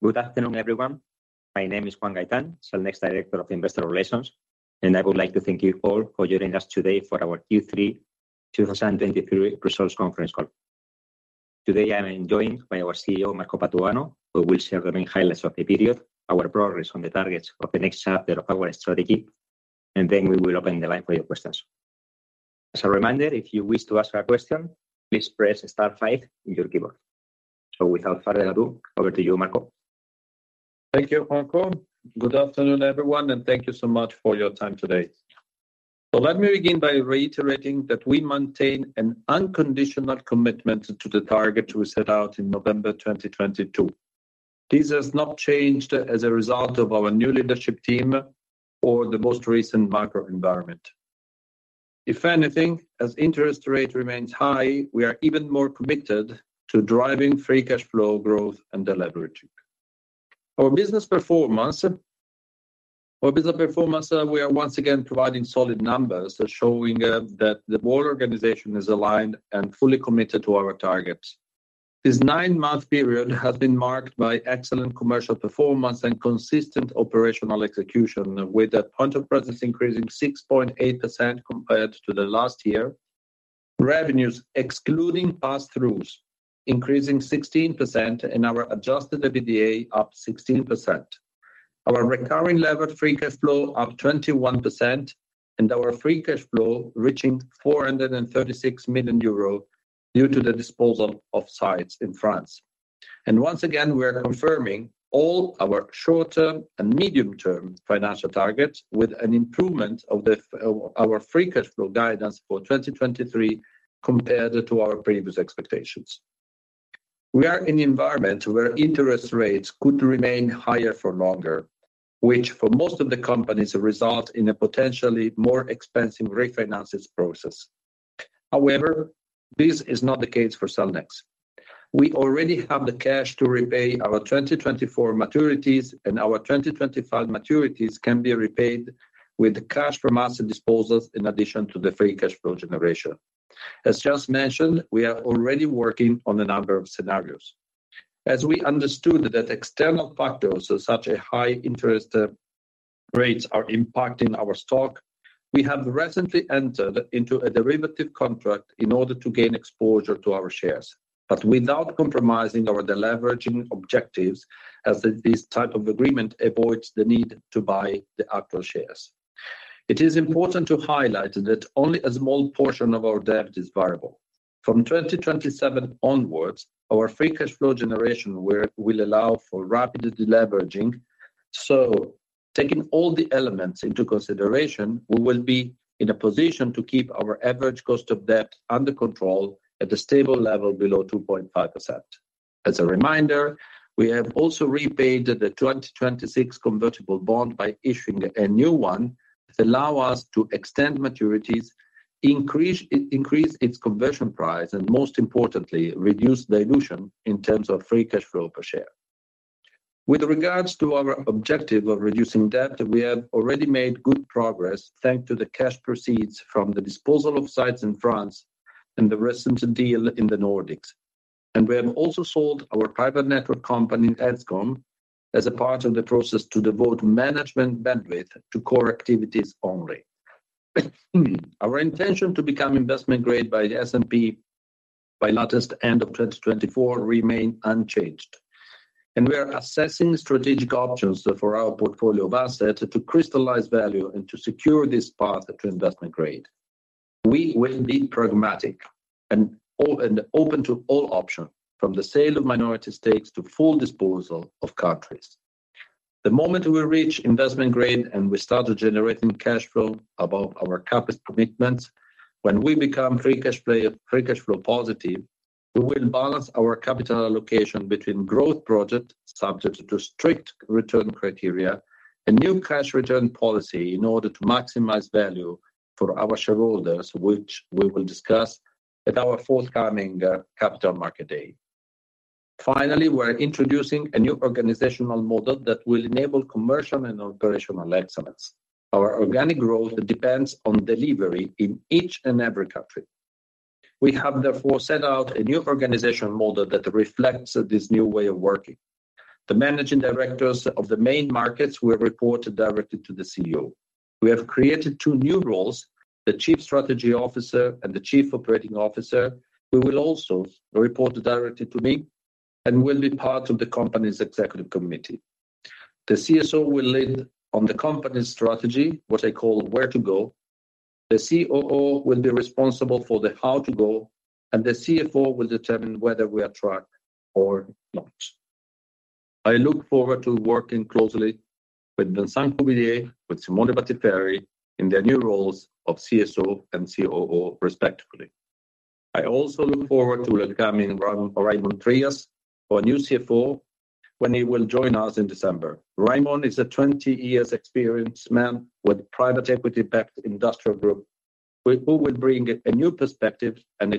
Good afternoon, everyone. My name is Juan Gaitán, Cellnex Director of Investor Relations, and I would like to thank you all for joining us today for our Q3 2023 Results Conference Call. Today, I am joined by our CEO, Marco Patuano, who will share the main highlights of the period, our progress on the targets of the next chapter of our strategy, and then we will open the line for your questions. As a reminder, if you wish to ask a question, please press star five on your keyboard. Without further ado, over to you, Marco. Thank you, Juanjo. Good afternoon, everyone, and thank you so much for your time today. So let me begin by reiterating that we maintain an unconditional commitment to the target we set out in November 2022. This has not changed as a result of our new leadership team or the most recent macro environment. If anything, as interest rate remains high, we are even more committed to driving free cash flow growth and deleveraging. Our business performance, our business performance, we are once again providing solid numbers, showing that the board organization is aligned and fully committed to our targets. This nine-month period has been marked by excellent commercial performance and consistent operational execution, with the point of presence increasing 6.8% compared to the last year. Revenues, excluding pass-throughs, increasing 16% and our Adjusted EBITDA up 16%. Our Recurring Levered Free Cash Flow up 21%, and our free cash flow reaching 436 million euro due to the disposal of sites in France. And once again, we are confirming all our short-term and medium-term financial targets with an improvement of our free cash flow guidance for 2023 compared to our previous expectations. We are in an environment where interest rates could remain higher for longer, which for most of the companies, result in a potentially more expensive refinancing process. However, this is not the case for Cellnex. We already have the cash to repay our 2024 maturities, and our 2025 maturities can be repaid with cash from asset disposals in addition to the free cash flow generation. As just mentioned, we are already working on a number of scenarios. As we understood that external factors, such as high interest rates, are impacting our stock, we have recently entered into a derivative contract in order to gain exposure to our shares, but without compromising our deleveraging objectives, as this type of agreement avoids the need to buy the actual shares. It is important to highlight that only a small portion of our debt is variable. From 2027 onwards, our free cash flow generation will allow for rapid deleveraging. So taking all the elements into consideration, we will be in a position to keep our average cost of debt under control at a stable level below 2.5%. As a reminder, we have also repaid the 2026 convertible bond by issuing a new one to allow us to extend maturities, increase its conversion price, and most importantly, reduce dilution in terms of free cash flow per share. With regards to our objective of reducing debt, we have already made good progress, thanks to the cash proceeds from the disposal of sites in France and the recent deal in the Nordics. We have also sold our private network company, Edzcom, as a part of the process to devote management bandwidth to core activities only. Our intention to become investment grade by the S&P by latest end of 2024 remain unchanged, and we are assessing strategic options for our portfolio of assets to crystallize value and to secure this path to investment grade. We will be pragmatic and open to all options, from the sale of minority stakes to full disposal of countries. The moment we reach investment grade and we start generating cash flow above our CapEx commitments, when we become free cash flow positive, we will balance our capital allocation between growth projects, subject to strict return criteria, a new cash return policy in order to maximize value for our shareholders, which we will discuss at our forthcoming Capital Market Day. Finally, we're introducing a new organizational model that will enable commercial and operational excellence. Our organic growth depends on delivery in each and every country. We have, therefore, set out a new organizational model that reflects this new way of working. The managing directors of the main markets will report directly to the CEO. We have created two new roles: the Chief Strategy Officer and the Chief Operating Officer, who will also report directly to me and will be part of the company's executive committee. The CSO will lead on the company's strategy, what I call where to go. The COO will be responsible for the how to go, and the CFO will determine whether we are track or not. I look forward to working closely with Vincent Cuvillier, with Simone Battiferri, in their new roles of CSO and COO, respectively. I also look forward to welcoming Raimon Trias, our new CFO, when he will join us in December. Raimon is a 20 years experienced man with private equity-backed industrial group, who will bring a new perspective and a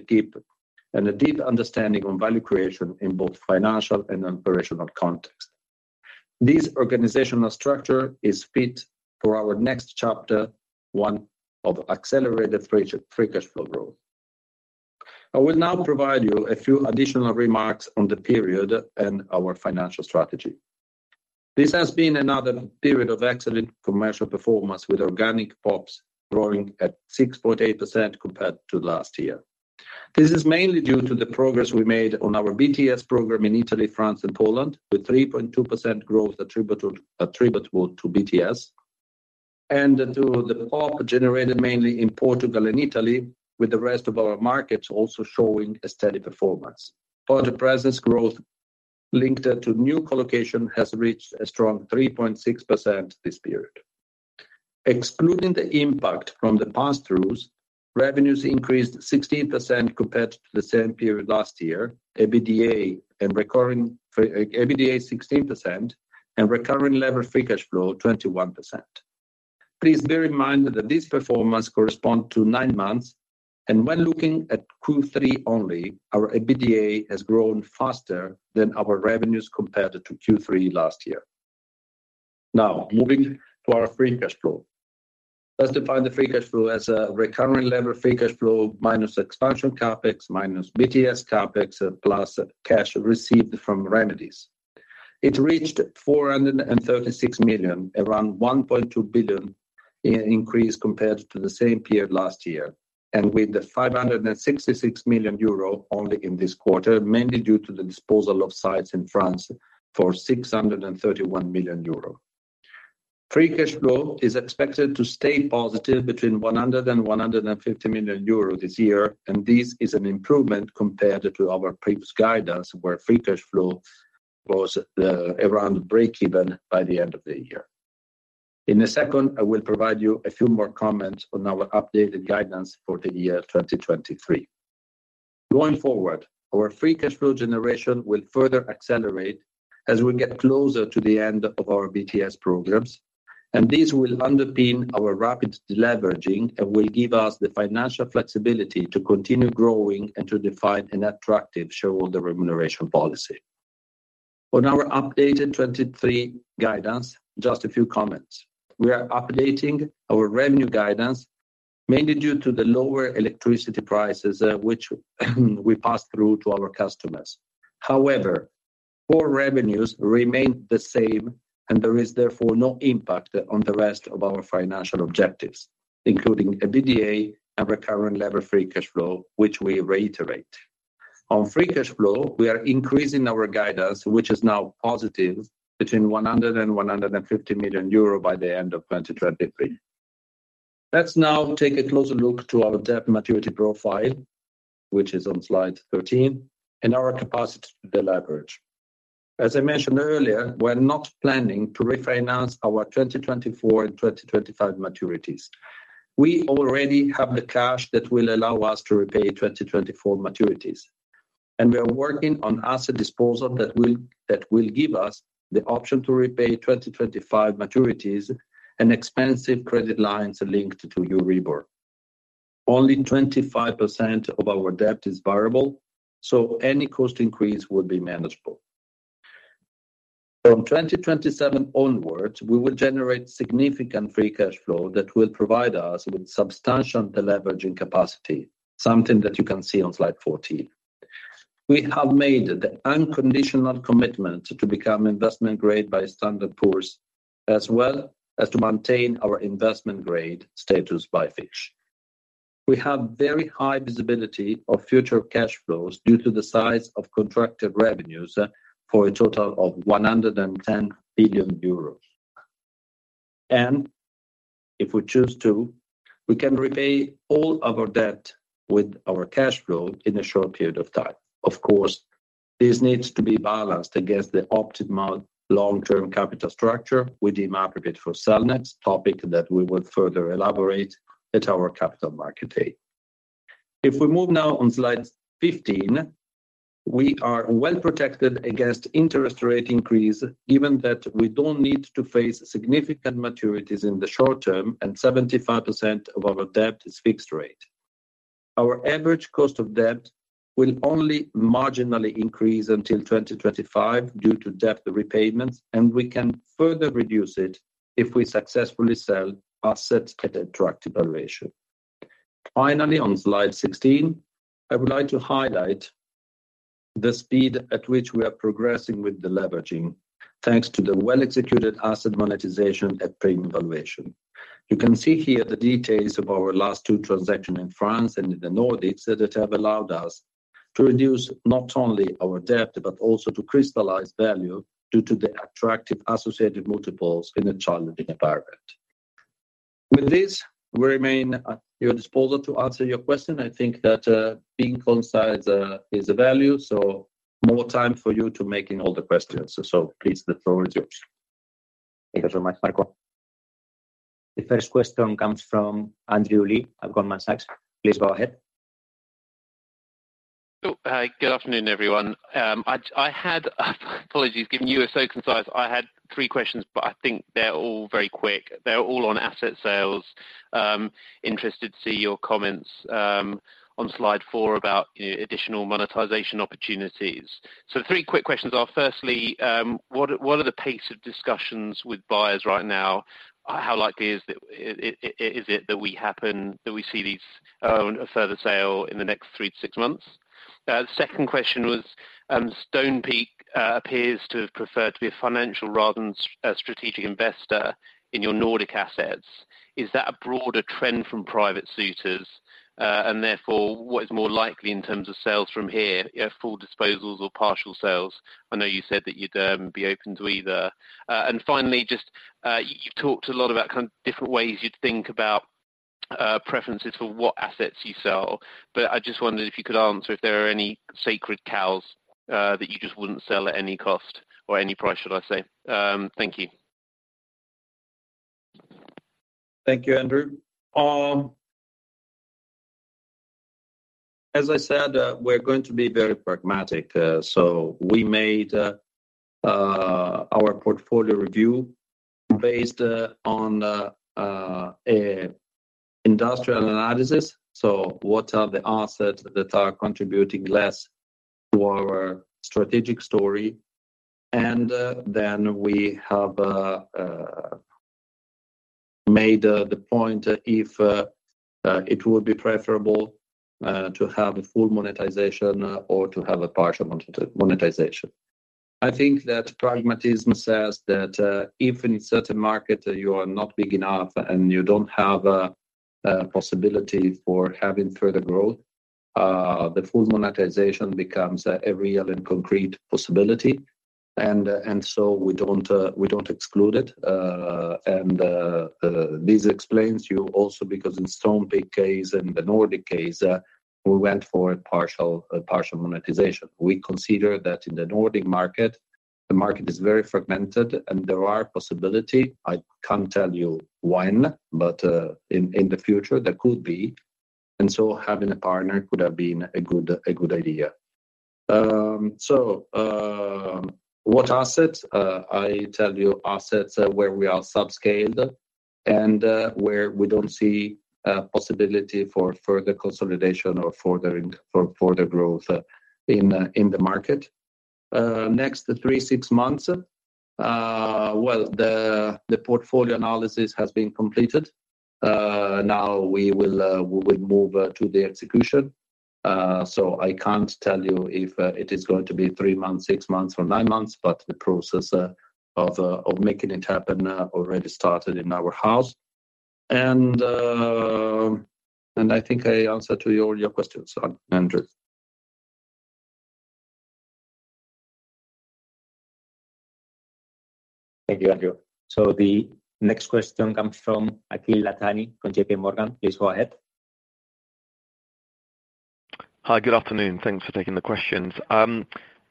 deep understanding on value creation in both financial and operational context. This organizational structure is fit for our next chapter, one of accelerated free cash flow growth. I will now provide you a few additional remarks on the period and our financial strategy. This has been another period of excellent commercial performance, with organic PoPs growing at 6.8% compared to last year. This is mainly due to the progress we made on our BTS program in Italy, France, and Poland, with 3.2% growth attributable to BTS, and to the PoP generated mainly in Portugal and Italy, with the rest of our markets also showing a steady performance. Data presence growth linked to new colocation has reached a strong 3.6% this period. Excluding the impact from the pass-throughs, revenues increased 16% compared to the same period last year, EBITDA 16% and recurring levered free cash flow 21%. Please bear in mind that this performance correspond to 9 months, and when looking at Q3 only, our EBITDA has grown faster than our revenues compared to Q3 last year. Now, moving to our free cash flow. Let's define the free cash flow as a recurring levered free cash flow, minus expansion CapEx, minus BTS CapEx, plus cash received from remedies. It reached 436 million, around 1.2 billion increase compared to the same period last year, and with 566 million euro only in this quarter, mainly due to the disposal of sites in France for 631 million euro. Free cash flow is expected to stay positive between 100 million euro and 150 million euro this year, and this is an improvement compared to our previous guidance, where free cash flow was around breakeven by the end of the year. In a second, I will provide you a few more comments on our updated guidance for the year 2023. Going forward, our free cash flow generation will further accelerate as we get closer to the end of our BTS programs, and this will underpin our rapid deleveraging and will give us the financial flexibility to continue growing and to define an attractive shareholder remuneration policy. On our updated 2023 guidance, just a few comments. We are updating our revenue guidance, mainly due to the lower electricity prices, which we pass through to our customers. However, core revenues remain the same, and there is therefore no impact on the rest of our financial objectives, including EBITDA and recurring level free cash flow, which we reiterate. On free cash flow, we are increasing our guidance, which is now positive, between 100 million euro and 150 million euro by the end of 2023. Let's now take a closer look to our debt maturity profile, which is on Slide 13, and our capacity to deleverage. As I mentioned earlier, we're not planning to refinance our 2024 and 2025 maturities. We already have the cash that will allow us to repay 2024 maturities, and we are working on asset disposal that will give us the option to repay 2025 maturities and expensive credit lines linked to Euribor. Only 25% of our debt is variable, so any cost increase would be manageable. From 2027 onwards, we will generate significant free cash flow that will provide us with substantial deleveraging capacity, something that you can see on Slide 14. We have made the unconditional commitment to become investment-grade by Standard & Poor's, as well as to maintain our investment grade status by Fitch. We have very high visibility of future cash flows due to the size of contracted revenues for a total of 110 billion euros. And if we choose to, we can repay all of our debt with our cash flow in a short period of time. Of course, this needs to be balanced against the optimal long-term capital structure with the appropriate for Cellnex, topic that we will further elaborate at our Capital Market Day. If we move now on Slide 15, we are well protected against interest rate increase, given that we don't need to face significant maturities in the short term, and 75% of our debt is fixed rate. Our average cost of debt will only marginally increase until 2025 due to debt repayments, and we can further reduce it if we successfully sell assets at attractive valuation. Finally, on Slide 16, I would like to highlight the speed at which we are progressing with deleveraging, thanks to the well-executed asset monetization at premium valuation. You can see here the details of our last two transactions in France and in the Nordics, that have allowed us to reduce not only our debt, but also to crystallize value due to the attractive associated multiples in a challenging environment. With this, we remain at your disposal to answer your question. I think that, being concise, is a value, so more time for you to making all the questions. So please, the floor is yours. Thank you so much, Marco. The first question comes from Andrew Lee at Goldman Sachs. Please go ahead. ... Hi, good afternoon, everyone. I had apologies, given you were so concise, I had three questions, but I think they're all very quick. They're all on asset sales. Interested to see your comments on Slide four about, you know, additional monetization opportunities. So the three quick questions are, firstly, what are the pace of discussions with buyers right now? How likely is it that we see these, a further sale in the next three to six months? The second question was, Stonepeak appears to have preferred to be a financial rather than a strategic investor in your Nordic assets. Is that a broader trend from private suitors? And therefore, what is more likely in terms of sales from here, full disposals or partial sales? I know you said that you'd be open to either. And finally, just, you've talked a lot about kind of different ways you'd think about preferences for what assets you sell. But I just wondered if you could answer if there are any sacred cows that you just wouldn't sell at any cost or any price, should I say? Thank you. Thank you, Andrew. As I said, we're going to be very pragmatic. So we made our portfolio review based on a industrial analysis. So what are the assets that are contributing less to our strategic story? And then we have made the point if it would be preferable to have a full monetization or to have a partial monetization. I think that pragmatism says that if in a certain market you are not big enough and you don't have a possibility for having further growth, the full monetization becomes a real and concrete possibility. And so we don't exclude it. And this explains you also, because in Stonepeak case and the Nordic case, we went for a partial monetization. We consider that in the Nordic market, the market is very fragmented, and there are possibility. I can't tell you when, but in the future, there could be. And so having a partner could have been a good idea. What assets? I tell you, assets where we are subscaled and where we don't see a possibility for further consolidation or further for the growth in the market. In the next three to six months, well, the portfolio analysis has been completed. Now we will move to the execution. So I can't tell you if it is going to be three months, six months, or nine months, but the process of making it happen already started in-house. I think I answered to you all your questions, Andrew. Thank you, Andrew. So the next question comes from Akhil Dattani from JPMorgan. Please go ahead. Hi, good afternoon. Thanks for taking the questions.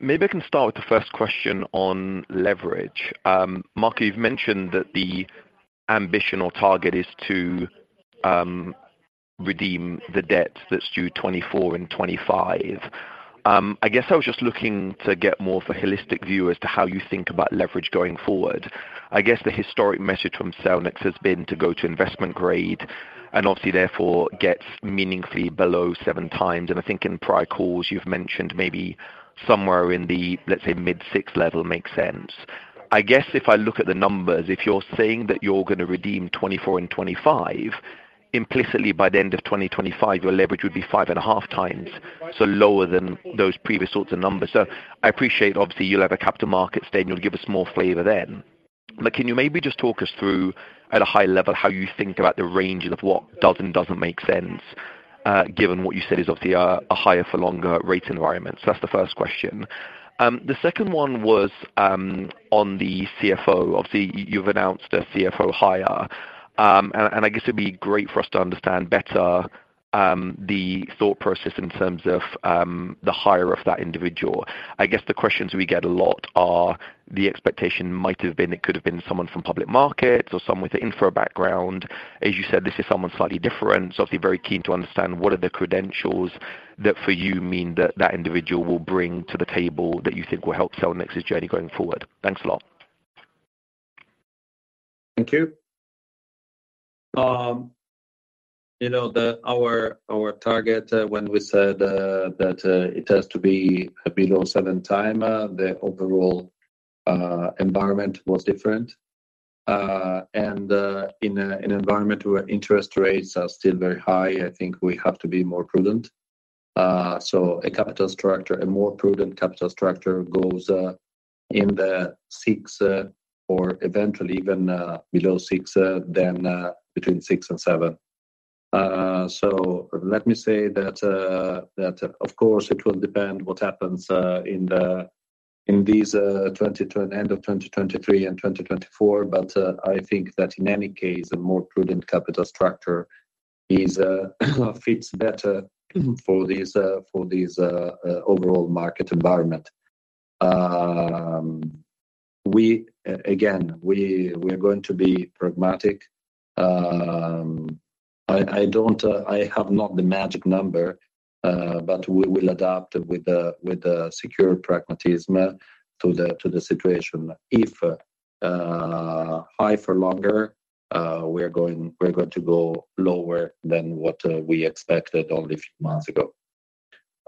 Maybe I can start with the first question on leverage. Mark, you've mentioned that the ambition or target is to redeem the debt that's due 2024 and 2025. I guess I was just looking to get more of a holistic view as to how you think about leverage going forward. I guess the historic message from Cellnex has been to go to investment grade and obviously therefore get meaningfully below 7x. And I think in prior calls, you've mentioned maybe somewhere in the, let's say, mid-6x level makes sense. I guess if I look at the numbers, if you're saying that you're gonna redeem 2024 and 2025, implicitly by the end of 2025, your leverage would be 5.5x, so lower than those previous sorts of numbers. So I appreciate obviously you'll have a capital markets day, and you'll give us more flavor then. But can you maybe just talk us through, at a high level, how you think about the ranges of what does and doesn't make sense, given what you said is obviously a higher for longer rate environment? So that's the first question. The second one was, on the CFO. Obviously, you've announced a CFO hire, and I guess it'd be great for us to understand better, the thought process in terms of, the hire of that individual. I guess the questions we get a lot are the expectation might have been, it could have been someone from public markets or someone with an info background. As you said, this is someone slightly different, so I'll be very keen to understand what are the credentials that for you mean that that individual will bring to the table that you think will help Cellnex's journey going forward? Thanks a lot. Thank you. You know, our target, when we said that it has to be below 7x, the overall environment was different. And in an environment where interest rates are still very high, I think we have to be more prudent. So a capital structure, a more prudent capital structure goes in the 6x or eventually even below 6x than between 6x and 7x. So let me say that that of course it will depend what happens in these 2022 and end of 2023 and 2024. But I think that in any case, a more prudent capital structure fits better for these for these overall market environment. Again, we are going to be pragmatic. I don't have the magic number, but we will adapt with the secure pragmatism to the situation. If high for longer, we are going to go lower than what we expected only a few months ago.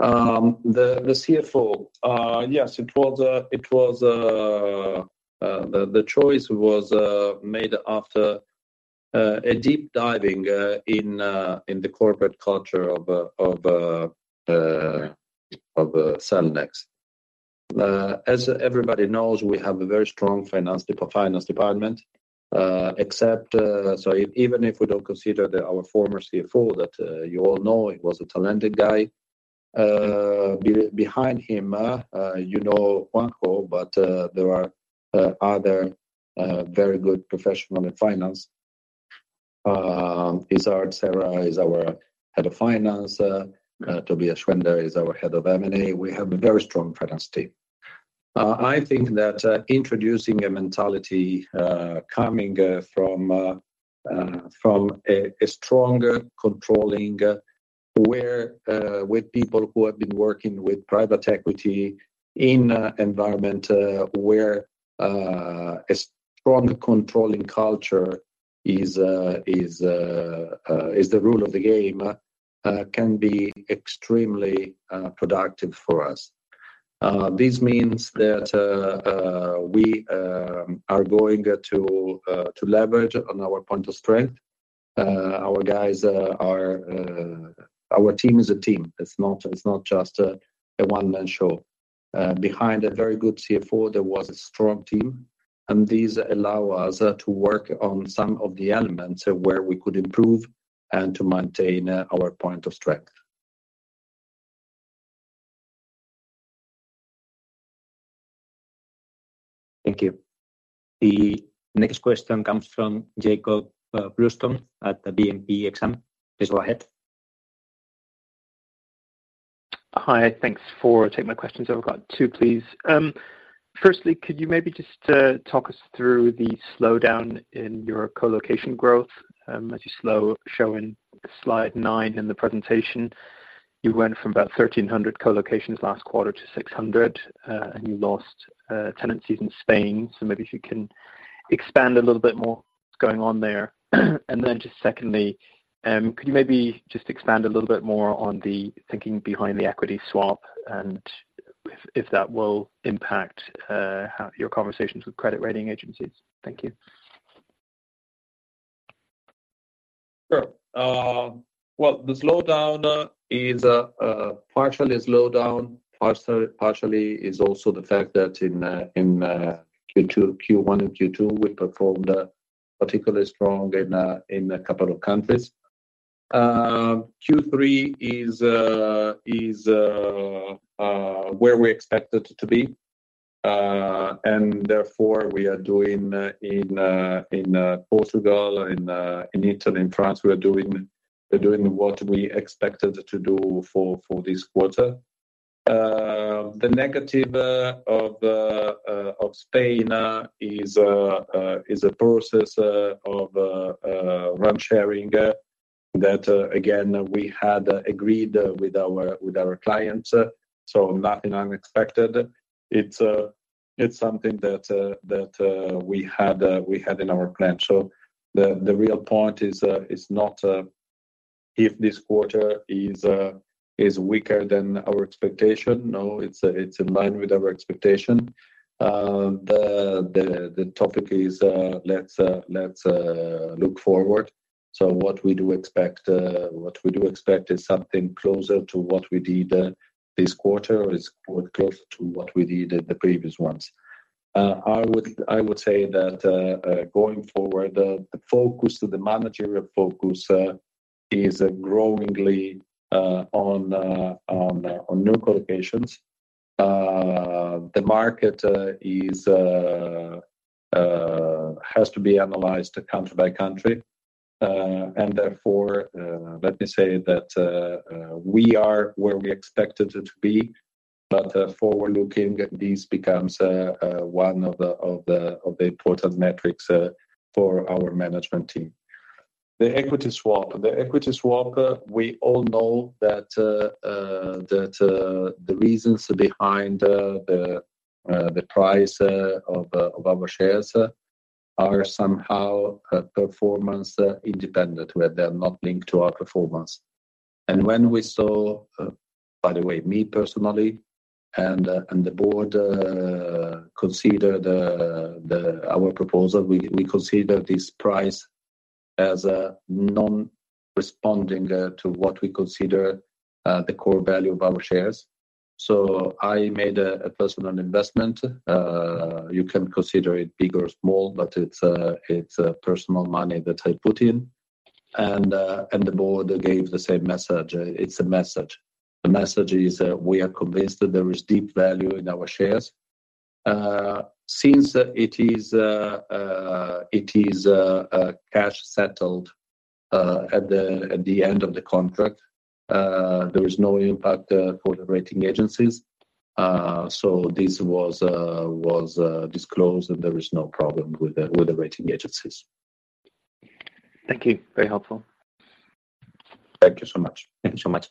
The CFO, yes, it was the choice was made after a deep diving in the corporate culture of Cellnex. As everybody knows, we have a very strong finance department, except, so even if we don't consider our former CFO, that you all know, he was a talented guy. Behind him, you know Juanjo, but there are other very good professionals in finance. Isard Serra is our Head of Finance. Tobias Schwender is our Head of M&A. We have a very strong finance team. I think that introducing a mentality coming from a stronger controlling where with people who have been working with private equity in environment where a strong controlling culture is the rule of the game can be extremely productive for us. This means that we are going to leverage on our point of strength. Our guys are... Our team is a team. It's not just a one-man show. Behind a very good CFO, there was a strong team, and these allow us to work on some of the elements of where we could improve and to maintain our point of strength. Thank you. The next question comes from Jakob Bluestone at the BNP Exane. Please go ahead. Hi, thanks for taking my questions. I've got two, please. Firstly, could you maybe just talk us through the slowdown in your colocation growth? As you show in Slide nine in the presentation, you went from about 1,300 collocations last quarter to 600, and you lost tenancies in Spain. So maybe if you can expand a little bit more what's going on there. And then just secondly, could you maybe just expand a little bit more on the thinking behind the equity swap and if that will impact how your conversations with credit rating agencies? Thank you. Sure. Well, the slowdown is a partial slowdown, partially is also the fact that in Q1 and Q2, we performed particularly strong in a couple of countries. Q3 is where we expected to be, and therefore, we are doing in Portugal, in Italy, in France, we are doing, we're doing what we expected to do for this quarter. The negative of Spain is a process of rent sharing that again we had agreed with our clients, so nothing unexpected. It's something that we had in our plan. So the real point is not if this quarter is weaker than our expectation. No, it's in line with our expectation. The topic is, let's look forward. So what we do expect is something closer to what we did this quarter, or is closer to what we did in the previous ones. I would say that going forward, the managerial focus is growingly on new collocations. The market has to be analyzed country by country, and therefore, let me say that we are where we expected it to be, but forward-looking, this becomes one of the important metrics for our management team. The equity swap. The equity swap, we all know that the reasons behind the price of our shares are somehow performance independent, where they're not linked to our performance. And when we saw, by the way, me personally and the board consider the our proposal, we consider this price as non-responding to what we consider the core value of our shares. So I made a personal investment. You can consider it big or small, but it's, it's, personal money that I put in, and, and the board gave the same message. It's a message. The message is that we are convinced that there is deep value in our shares. Since it is, it is, a cash-settled-... at the end of the contract, there is no impact for the rating agencies. So this was, was, disclosed, and there is no problem with the, with the rating agencies. Thank you. Very helpful. Thank you so much. Thank you so much.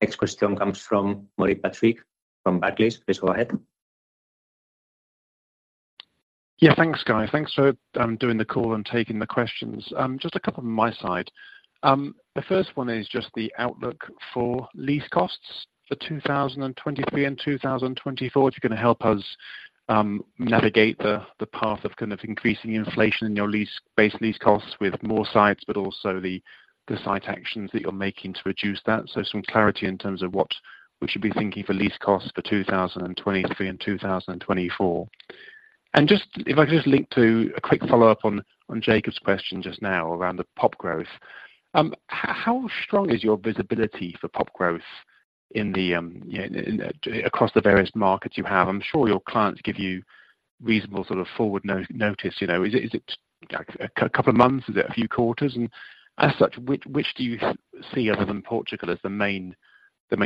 Next question comes from Maurice Patrick from Barclays. Please go ahead. Yeah, thanks, guy. Thanks for doing the call and taking the questions. Just a couple of my side. The first one is just the outlook for lease costs for 2023 and 2024. Do you gonna help us navigate the path of kind of increasing inflation in your lease-based lease costs with more sites, but also the site actions that you're making to reduce that? So some clarity in terms of what we should be thinking for lease costs for 2023 and 2024. And just if I could just link to a quick follow-up on Jakob's question just now around the PoP growth. How strong is your visibility for PoP growth in, you know, across the various markets you have? I'm sure your clients give you reasonable sort of forward notice. You know, is it a couple of months? Is it a few quarters? And as such, which do you see, other than Portugal, as the main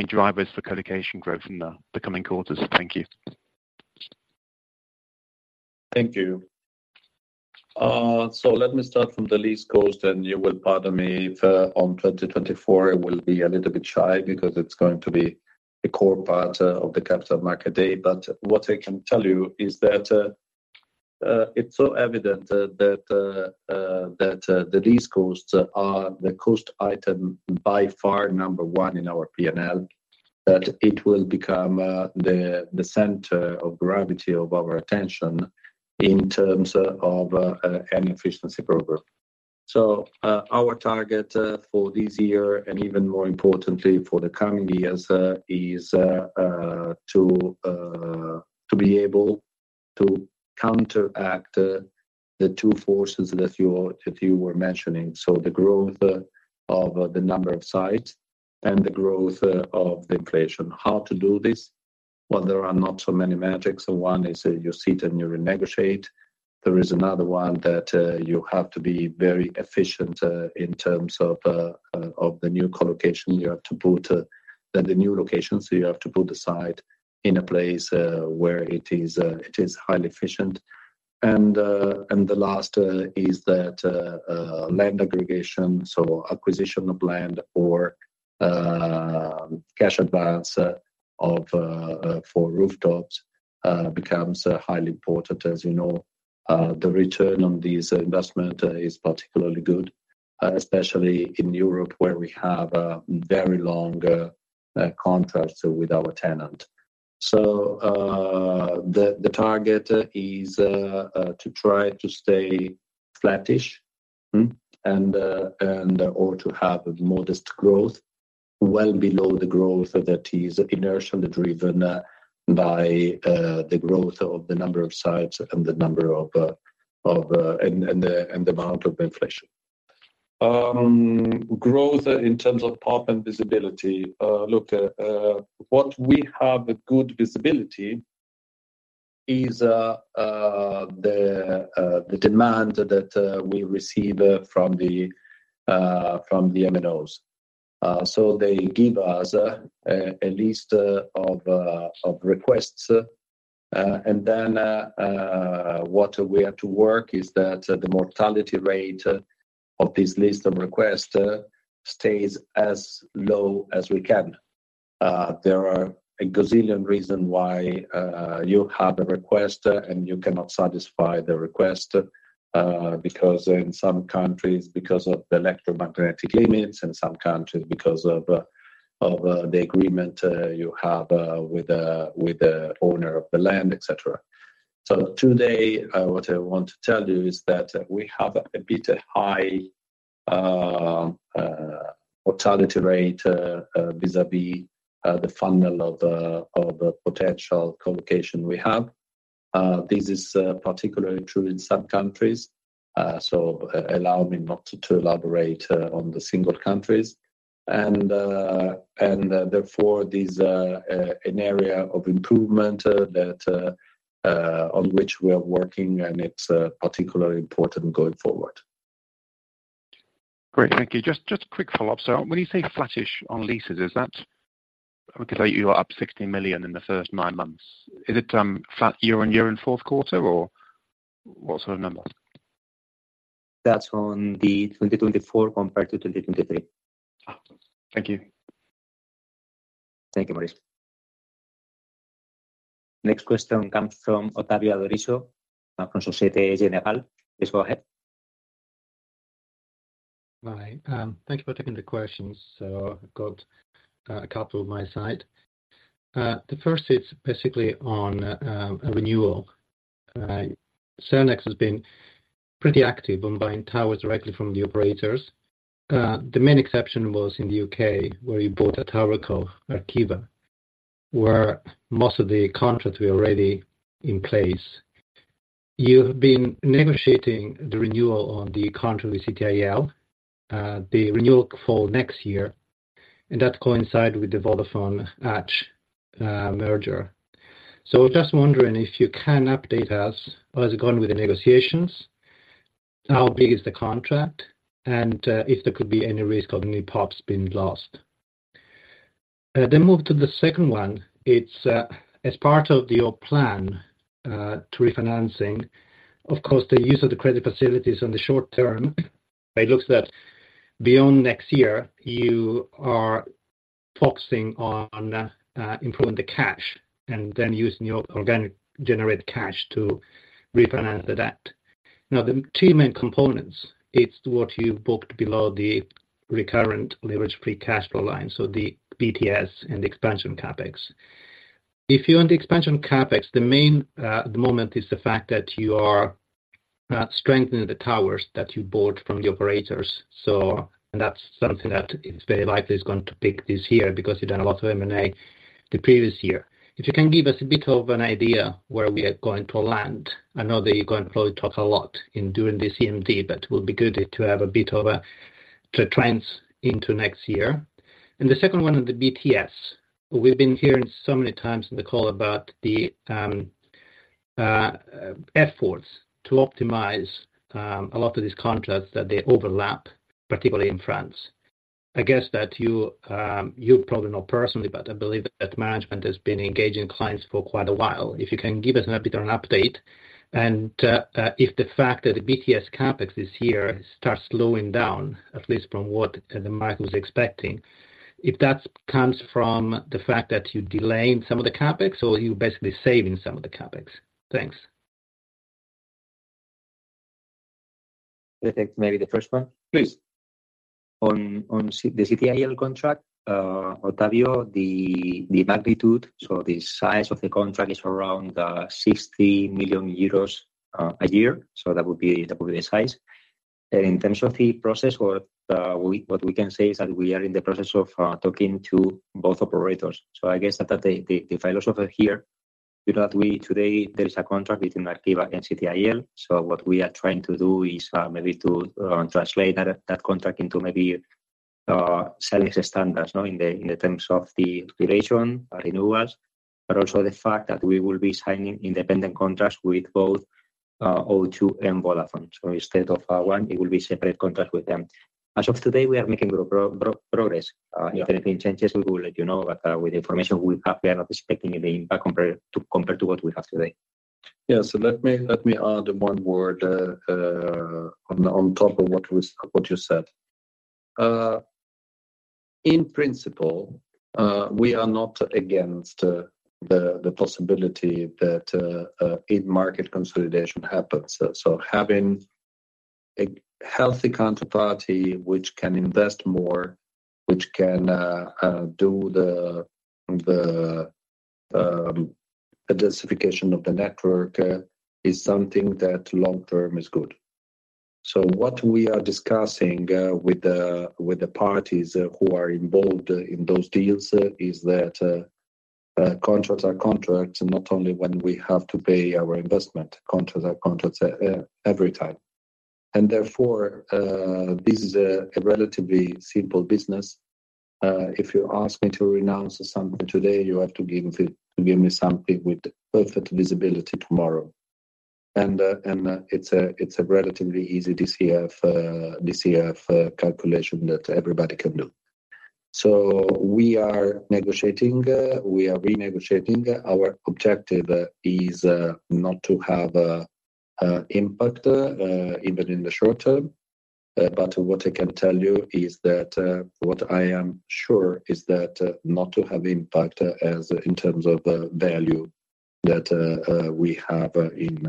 drivers for colocation growth in the coming quarters? Thank you. Thank you. So let me start from the lease cost, and you will pardon me if, on 2024, it will be a little bit shy because it's going to be a core part of the Capital Market Day. But what I can tell you is that, it's so evident that, the lease costs are the cost item by far number one in our P&L, that it will become, the center of gravity of our attention in terms of, any efficiency program. So, our target, for this year, and even more importantly, for the coming years, is, to be able to counteract, the two forces that you were mentioning. So the growth, of the number of sites and the growth, of the inflation. How to do this? Well, there are not so many metrics. So one is you sit and you renegotiate. There is another one that you have to be very efficient in terms of the new colocation. You have to put then the new colocation, so you have to put the site in a place where it is highly efficient. And the last is that land aggregation, so acquisition of land or cash advance for rooftops becomes highly important. As you know, the return on this investment is particularly good, especially in Europe, where we have a very long contract with our tenant. So, the target is to try to stay flattish, and or to have a modest growth well below the growth that is inertia driven by the growth of the number of sites and the number of and the amount of inflation. Growth in terms of PoP and visibility, look, what we have a good visibility is the demand that we receive from the MNOs. So they give us a list of requests, and then what we have to work is that the mortality rate of this list of requests stays as low as we can. There are a gazillion reasons why you have a request and you cannot satisfy the request because in some countries, because of the electromagnetic limits, in some countries, because of the agreement you have with the owner of the land, et cetera. So today, what I want to tell you is that we have a bit high mortality rate vis-a-vis the funnel of the potential colocation we have. This is particularly true in some countries. So allow me not to elaborate on the single countries. And therefore, this an area of improvement that on which we are working, and it's particularly important going forward. Great. Thank you. Just, just a quick follow-up. So when you say flattish on leases, is that because you are up 60 million in the first nine months, is it, flat year-over-year in fourth quarter, or what sort of numbers? That's on the 2024 compared to 2023. Thank you. Thank you, Maurice. Next question comes from Ottavio Adorisio from Société Générale. Please go ahead. Hi. Thank you for taking the questions. So I've got a couple on my side. The first is basically on a renewal. Cellnex has been pretty active on buying towers directly from the operators. The main exception was in the U.K., where you bought a tower called Arqiva, where most of the contracts were already in place. You've been negotiating the renewal on the contract with CTIL, the renewal for next year, and that coincided with the Vodafone-Three merger. So just wondering if you can update us, how has it gone with the negotiations? How big is the contract, and if there could be any risk of new PoPs being lost? Then move to the second one. It's as part of your plan to refinancing, of course, the use of the credit facilities in the short term. It looks that beyond next year, you are focusing on improving the cash and then using your organically generated cash to refinance the debt. Now, the two main components, it's what you booked below the recurring levered free cash flow line, so the BTS and expansion CapEx. If you're on the expansion CapEx, the main at the moment is the fact that you are strengthening the towers that you bought from the operators. So and that's something that is very likely to pick up this year because you've done a lot of M&A the previous year. If you can give us a bit of an idea where we are going to land. I know that you're going to probably talk a lot in doing this CMD, but it will be good to have a bit of the trends into next year. The second one on the BTS. We've been hearing so many times in the call about the efforts to optimize a lot of these contracts that they overlap, particularly in France. I guess that you probably know personally, but I believe that management has been engaging clients for quite a while. If you can give us a bit of an update and if the fact that the BTS CapEx this year starts slowing down, at least from what the market was expecting, if that comes from the fact that you delayed some of the CapEx or you basically saving some of the CapEx. Thanks. I think maybe the first one. Please. On the CTIL contract, Ottavio, the magnitude, so the size of the contract is around 60 million euros a year, so that would be the size. In terms of the process, what we can say is that we are in the process of talking to both operators. So I guess that the philosophy here is that today there is a contract between Arqiva and CTIL. So what we are trying to do is maybe to translate that contract into maybe setting the standards, you know, in the terms of the duration renewals, but also the fact that we will be signing independent contracts with both O2 and Vodafone. So instead of one, it will be separate contracts with them. As of today, we are making progress. If anything changes, we will let you know. But with the information we have, we are not expecting any impact compared to what we have today. Yeah. So let me, let me add one more, on, on top of what you said. In principle, we are not against the possibility that in-market consolidation happens. So having a healthy counterparty which can invest more, which can do the densification of the network, is something that long term is good. So what we are discussing, with the parties who are involved in those deals is that, contracts are contracts, not only when we have to pay our investment. Contracts are contracts, every time, and therefore, this is a relatively simple business. If you ask me to renounce something today, you have to give me something with perfect visibility tomorrow. It's a relatively easy DCF calculation that everybody can do. So we are negotiating, we are renegotiating. Our objective is not to have a impact even in the short term, but what I can tell you is that, what I am sure is that, not to have impact as in terms of the value that we have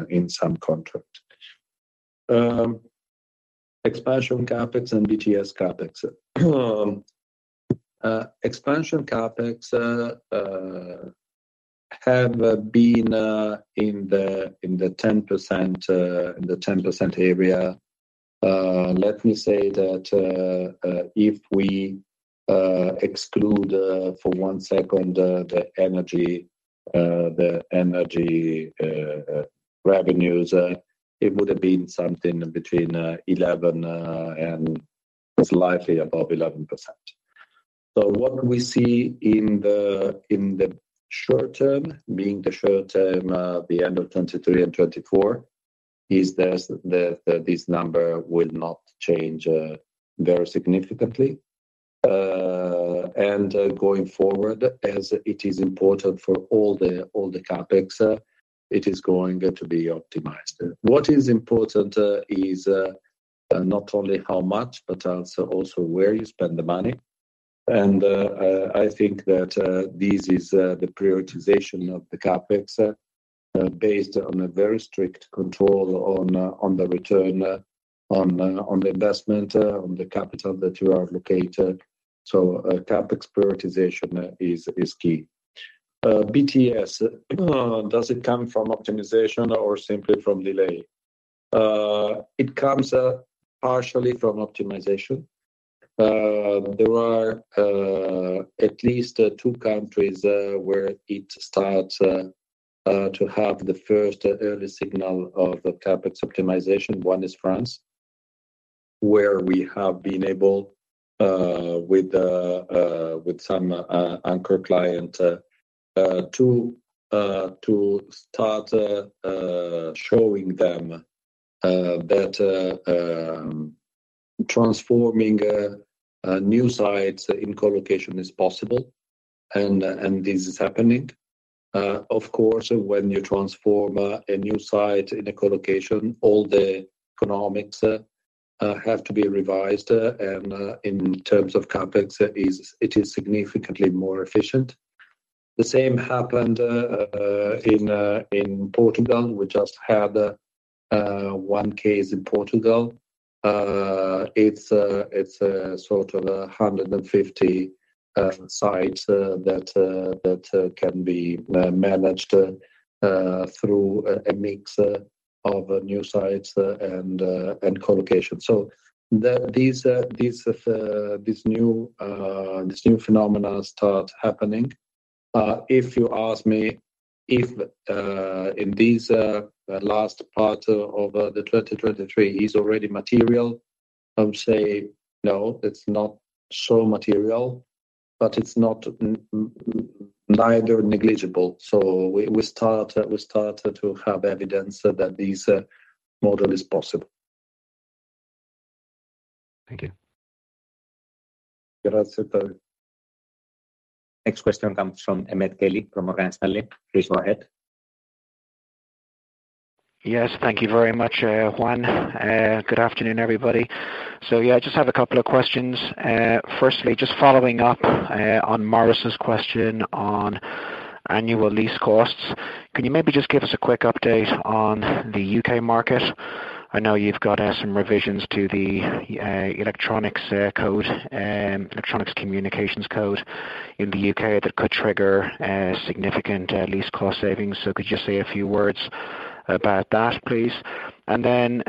in some contract. Expansion CapEx and BTS CapEx. Expansion CapEx have been in the 10% area. Let me say that, if we exclude for one second the energy revenues, it would have been something between 11 and slightly above 11%. So what we see in the short term, being the short term, the end of 2023 and 2024, is this, that this number will not change very significantly. And going forward, as it is important for all the CapEx, it is going to be optimized. What is important is not only how much, but also where you spend the money. And I think that this is the prioritization of the CapEx based on a very strict control on the return on the investment on the capital that you are allocated. So CapEx prioritization is key. BTS, does it come from optimization or simply from delay? It comes partially from optimization. There are at least two countries where it starts to have the first early signal of the CapEx optimization. One is France, where we have been able with some anchor client to start showing them that transforming new sites in colocation is possible, and this is happening. Of course, when you transform a new site in a colocation, all the economics have to be revised, and in terms of CapEx, it is significantly more efficient. The same happened in Portugal. We just had one case in Portugal. It's sort of 150 sites that can be managed through a mix of new sites and colocation. So then these new phenomena start happening. If you ask me if in these last part of the 2023 is already material, I would say, no, it's not so material, but it's not neither negligible. So we started to have evidence that these model is possible. Thank you. Grazie. The next question comes from Emmet Kelly from Morgan Stanley. Please go ahead. Yes, thank you very much, Juan. Good afternoon, everybody. So, yeah, I just have a couple of questions. Firstly, just following up on Maurice's question on annual lease costs. Can you maybe just give us a quick update on the U.K. market? I know you've got some revisions to the Electronic Communications Code in the U.K. that could trigger significant lease cost savings. So could you just say a few words about that, please? And then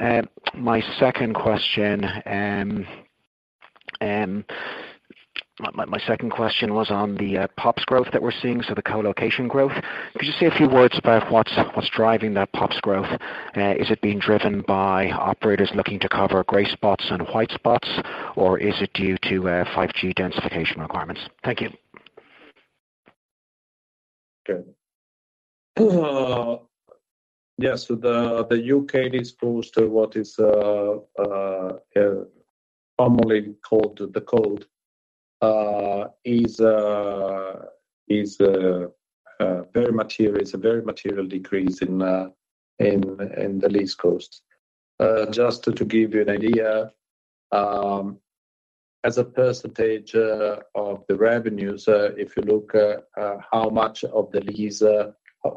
my second question was on the PoPs growth that we're seeing, so the colocation growth. Could you say a few words about what's driving that PoPs growth? Is it being driven by operators looking to cover gray spots and white spots, or is it due to 5G densification requirements? Thank you. Okay. Yes, so the U.K. exposed to what is commonly called the Code is very material. It's a very material decrease in the lease cost. Just to give you an idea, as a percentage of the revenues, if you look at how much of the lease,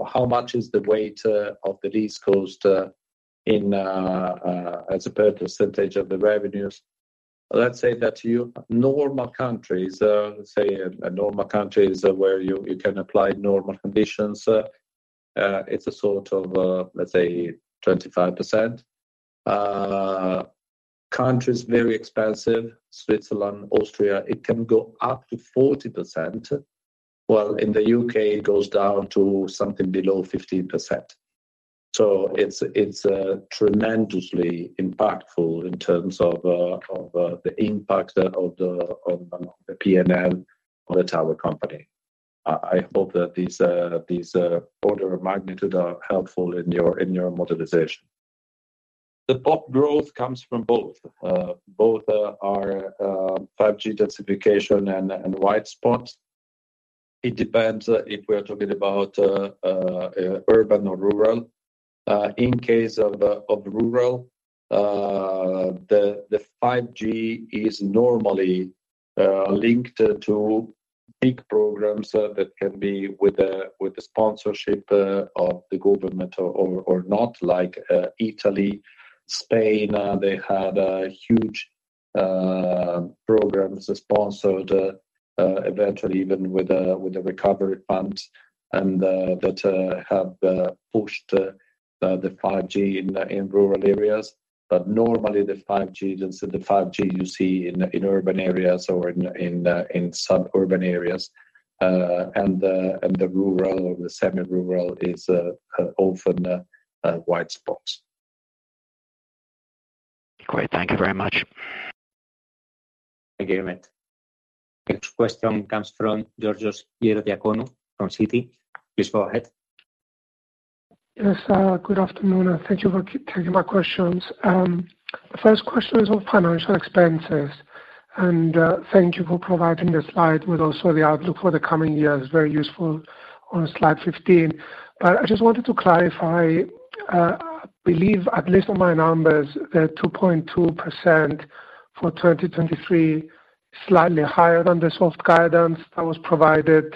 how much is the weight of the lease cost in as a percentage of the revenues. Let's say that in normal countries, let's say normal countries where you can apply normal conditions, it's a sort of, let's say, 25%. Countries, very expensive, Switzerland, Austria, it can go up to 40%. While in the U.K., it goes down to something below 15%. So it's tremendously impactful in terms of the impact on the P&L on the tower company. I hope that these order of magnitude are helpful in your modeling. The PoP growth comes from both 5G densification and white spots. It depends if we are talking about urban or rural. In case of the rural, the 5G is normally linked to big programs that can be with the sponsorship of the government or not, like Italy, Spain. They had huge programs sponsored eventually even with a recovery fund, and that have pushed the 5G in rural areas. But normally, the 5G you see in urban areas or in suburban areas, and the rural or the semi-rural is often wide spots. Great. Thank you very much. Thank you, Emmet. Next question comes from Georgios Ierodiaconou from Citi. Please go ahead. Yes, good afternoon, and thank you for taking my questions. First question is on financial expenses, and thank you for providing the slide with also the outlook for the coming year. It's very useful on Slide 15. But I just wanted to clarify, I believe, at least on my numbers, the 2.2% for 2023, slightly higher than the soft guidance that was provided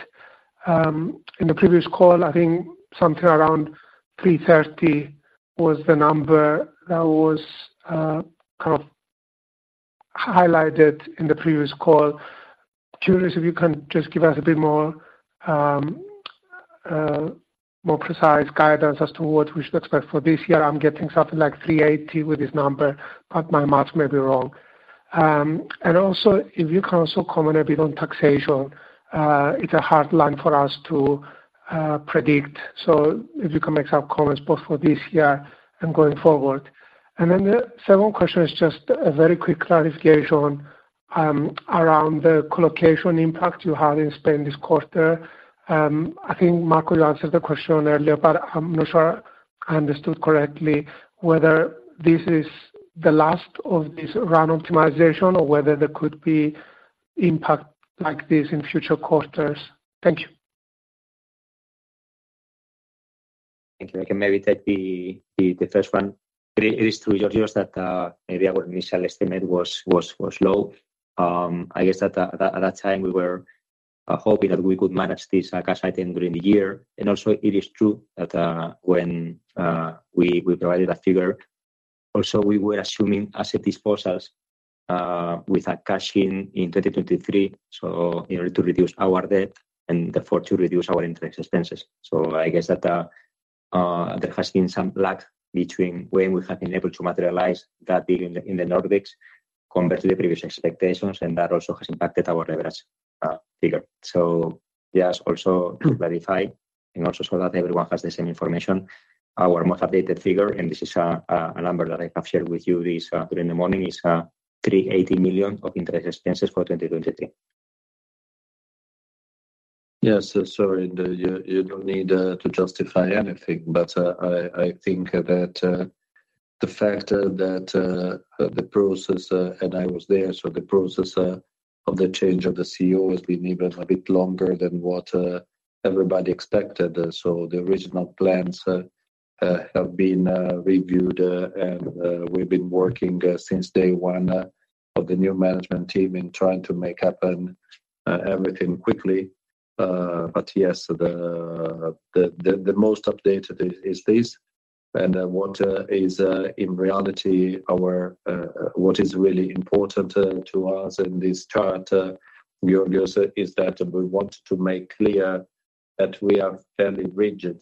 in the previous call. I think something around 330 million was the number that was kind of highlighted in the previous call. Curious, if you can just give us a bit more, more precise guidance as to what we should expect for this year. I'm getting something like 380 million with this number, but my math may be wrong. And also if you can also comment a bit on taxation. It's a hard line for us to predict. So if you can make some comments both for this year and going forward. And then the second question is just a very quick clarification around the colocation impact you had in Spain this quarter. I think Marco answered the question earlier, but I'm not sure I understood correctly whether this is the last of this run optimization or whether there could be impact like this in future quarters. Thank you. Thank you. I can maybe take the first one. It is true, Georgios, that maybe our initial estimate was low. I guess at that time, we were hoping that we could manage this cash item during the year. And also it is true that when we provided a figure, also, we were assuming asset disposals with a cash in in 2023, so in order to reduce our debt and therefore to reduce our interest expenses. So I guess that there has been some lag between when we have been able to materialize that deal in the Nordics compared to the previous expectations, and that also has impacted our revenues figure. So just also to verify and also so that everyone has the same information, our most updated figure, and this is a number that I have shared with you this morning, is 380 million of interest expenses for 2023. Yes. So sorry, you don't need to justify anything, but I think that the fact that the process—and I was there—so the process of the change of the CEO has been even a bit longer than what everybody expected. So the original plans have been reviewed, and we've been working since day one of the new management team in trying to make up and everything quickly. But yes, the most updated is this, and what is, in reality, our what is really important to us in this chart, Georgios, is that we want to make clear that we are fairly rigid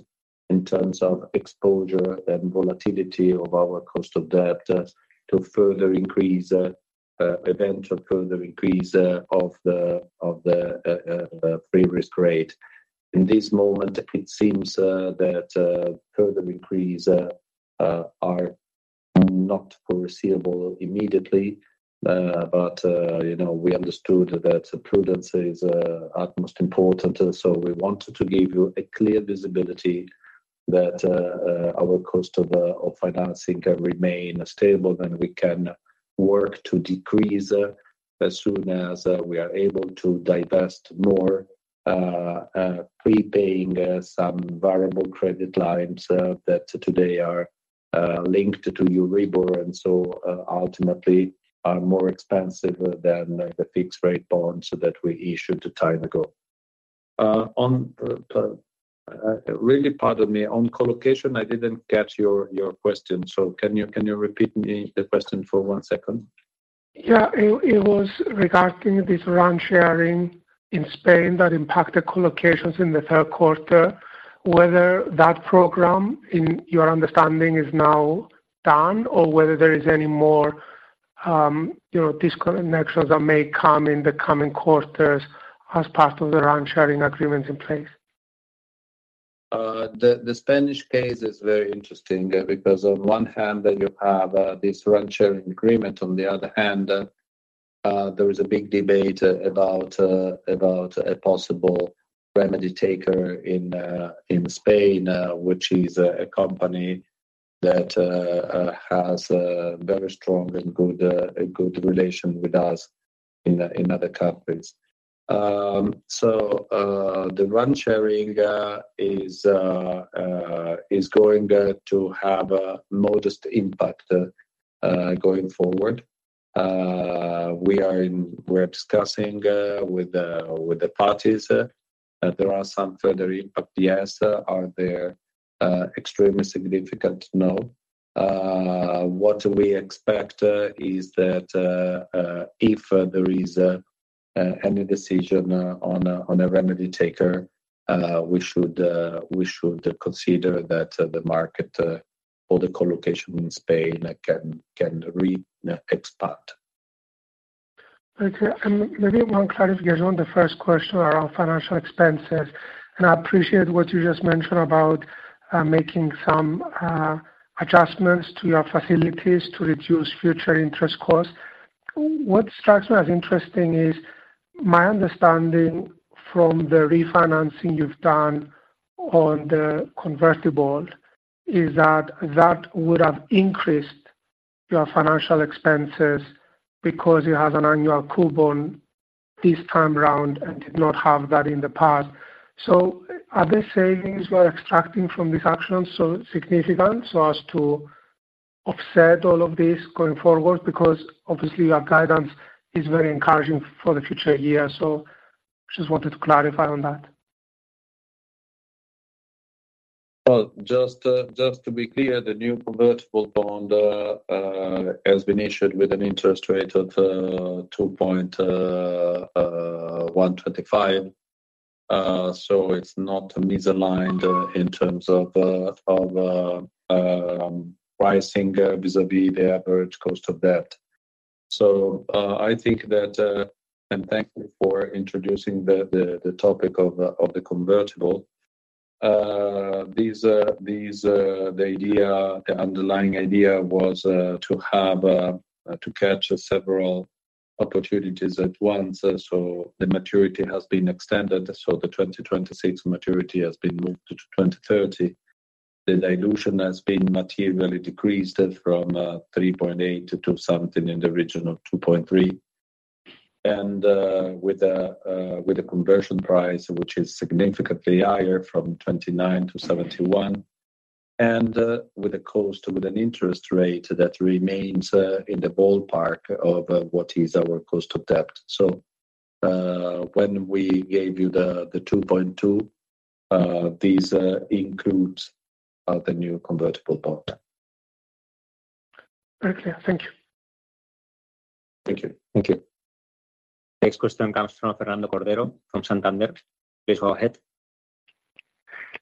in terms of exposure and volatility of our cost of debt to further increase event or further increase of the of the risk-free rate. In this moment, it seems that further increase are not foreseeable immediately. But, you know, we understood that prudence is utmost important, and so we wanted to give you a clear visibility that our cost of financing can remain stable, and we can work to decrease as soon as we are able to divest more, prepaying some variable credit lines that today are linked to Euribor, and so ultimately are more expensive than the fixed rate bonds that we issued a time ago. Really, pardon me, on colocation, I didn't catch your question, so can you repeat me the question for one second? Yeah. It, it was regarding this RAN sharing in Spain that impacted colocation in the third quarter. Whether that program, in your understanding, is now done or whether there is any more, you know, disconnections that may come in the coming quarters as part of the RAN sharing agreements in place. The Spanish case is very interesting because on one hand, you have this RAN sharing agreement, on the other hand, there is a big debate about a possible remedy taker in Spain, which is a company that has a very strong and good, a good relation with us in other countries. So, the RAN sharing is going to have a modest impact going forward. We're discussing with the parties that there are some further impact. Yes, are there extremely significant? No. What we expect is that if there is any decision on a remedy taker, we should consider that the market for the colocation in Spain can re-expand. Okay, and maybe one clarification on the first question around financial expenses, and I appreciate what you just mentioned about making some adjustments to your facilities to reduce future interest costs. What strikes me as interesting is, my understanding from the refinancing you've done on the convertible is that that would have increased your financial expenses because it has an annual coupon this time round and did not have that in the past. So are the savings we're extracting from this action so significant so as to offset all of this going forward? Because obviously, your guidance is very encouraging for the future year. So just wanted to clarify on that. Well, just to be clear, the new convertible bond has been issued with an interest rate of 2.125%. So it's not misaligned in terms of pricing vis-à-vis the average cost of debt. So I think that—and thank you for introducing the topic of the convertible. The underlying idea was to capture several opportunities at once. So the maturity has been extended, so the 2026 maturity has been moved to 2030. The dilution has been materially decreased from 3.8 to something in the region of 2.3. With a conversion price which is significantly higher from 29 to 71, and with a cost, with an interest rate that remains in the ballpark of what is our cost of debt. So, when we gave you the 2.2, these includes the new convertible part. Very clear. Thank you. Thank you. Thank you. Next question comes from Fernando Cordero from Santander. Please go ahead.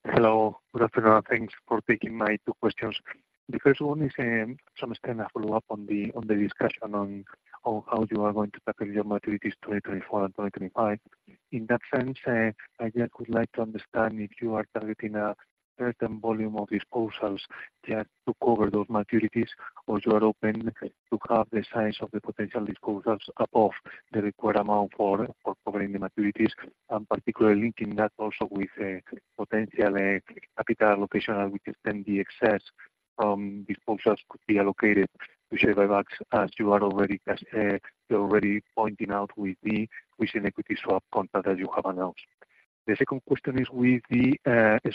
Hello. Good afternoon. Thanks for taking my two questions. The first one is some extent a follow-up on the discussion on how you are going to tackle your maturities, 2024 and 2025. In that sense, I just would like to understand if you are targeting a certain volume of disposals just to cover those maturities, or you are open to have the size of the potential disposals above the required amount for covering the maturities, and particularly linking that also with a potential capital allocation, and which is then the excess from disposals could be allocated to share buybacks, as you're already pointing out with an equity swap contract that you have announced. The second question is with the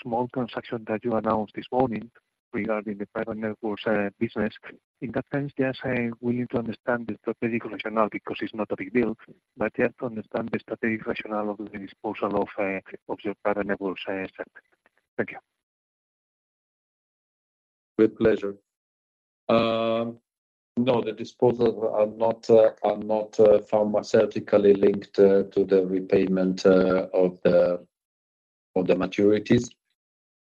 small transaction that you announced this morning regarding the private networks business. In that sense, just, we need to understand the strategic rationale because it's not a big deal, but just to understand the strategic rationale of the disposal of your private network segment. Thank you. With pleasure. No, the disposals are not permanently linked to the repayment of the maturities.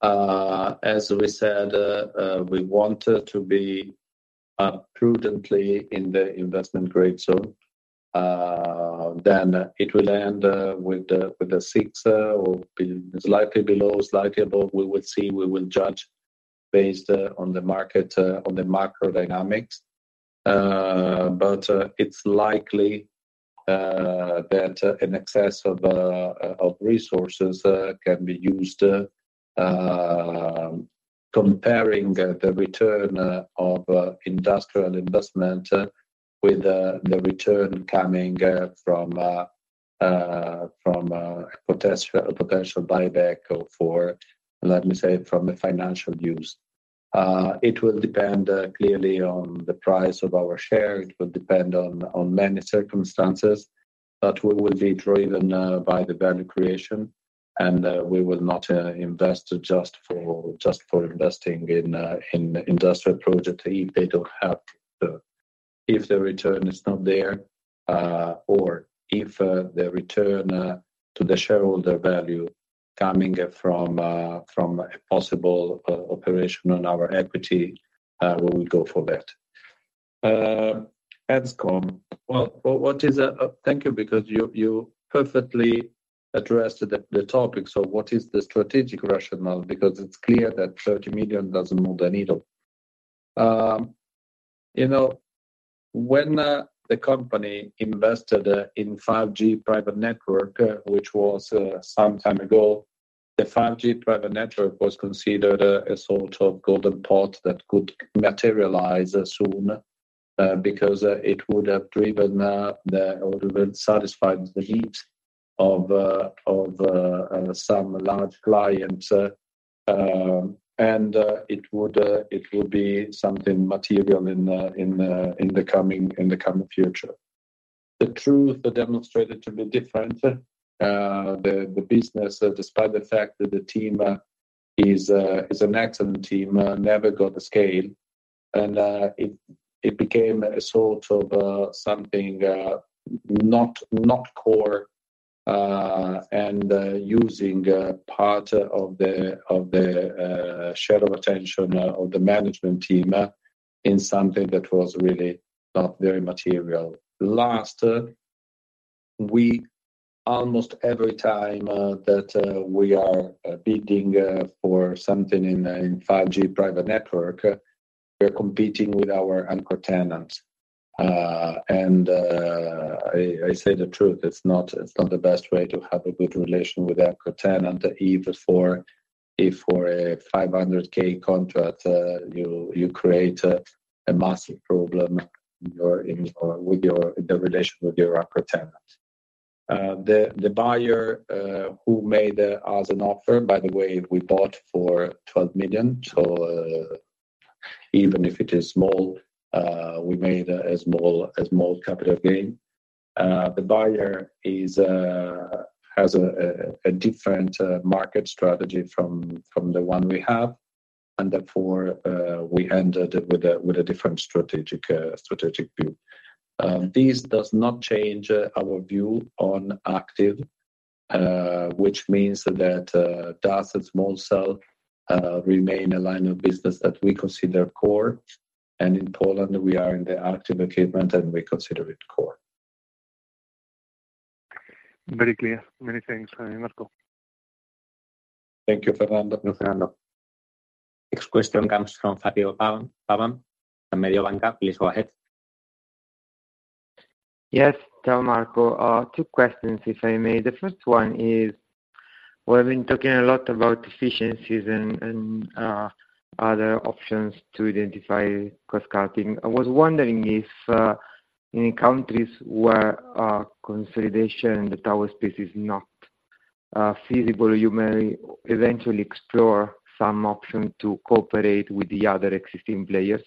As we said, we want to be prudently in the Investment grade. So, then it will end with the 6 or slightly below, slightly above. We will see, we will judge based on the market, on the macrodynamics. But, it's likely that an excess of resources can be used comparing the return of industrial investment with the return coming from potential buyback or for, let me say, from a financial use. It will depend clearly on the price of our share. It will depend on many circumstances, but we will be driven by the value creation, and we will not invest just for just for investing in industrial project if they don't help the... If the return is not there, or if the return to the shareholder value coming from a possible operation on our equity, we will go for that. Well, what is... Thank you, because you perfectly addressed the topic. So what is the strategic rationale? Because it's clear that 30 million doesn't move the needle. You know, when the company invested in 5G private network, which was some time ago, the 5G private network was considered a sort of golden pot that could materialize soon, because it would have driven the, or would have satisfied the needs of some large clients. And it would be something material in the coming future. The truth demonstrated to be different. The business, despite the fact that the team is an excellent team, never got the scale, and it became a sort of something not core, and using part of the share of attention of the management team in something that was really not very material. Last week, almost every time that we are bidding for something in 5G private network, we're competing with our anchor tenant. And I say the truth, it's not the best way to have a good relation with anchor tenant, even if for a 500,000 contract, you create a massive problem in your relation with your anchor tenant. The buyer who made us an offer, by the way, we bought for 12 million, so even if it is small, we made a small capital gain. The buyer has a different market strategy from the one we have... and therefore, we ended with a different strategic view. This does not change our view on active, which means that DAS and small cell remain a line of business that we consider core. And in Poland, we are in the active equipment, and we consider it core. Very clear. Many thanks, Marco. Thank you, Fernando. Fernando. Next question comes from Fabio Pavan, Mediobanca. Please go ahead. Yes. Ciao, Marco. Two questions, if I may. The first one is, we've been talking a lot about efficiencies and other options to identify cost cutting. I was wondering if, in countries where consolidation, the tower space is not feasible, you may eventually explore some option to cooperate with the other existing players.